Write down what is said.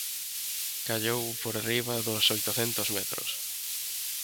Callou por riba dos oitocentos metros.